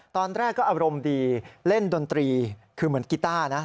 ตอนแรกก็อารมณ์ดีเล่นดนตรีคือเหมือนกีต้านะ